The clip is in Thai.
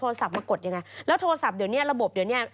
มากดยังไงแล้วโทรศัพท์เดี๋ยวเนี้ยระบบเดี๋ยวเนี้ย